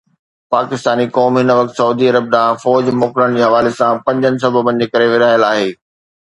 پاڪستاني قوم هن وقت سعودي عرب ڏانهن فوج موڪلڻ جي حوالي سان پنجن سببن جي ڪري ورهايل آهي.